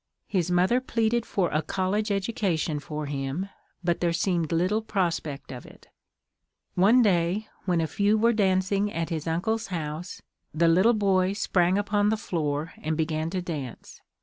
His mother pleaded for a college education for him, but there seemed little prospect of it. One day, when a few were dancing at his uncle's house, the little boy sprang upon the floor and began to dance.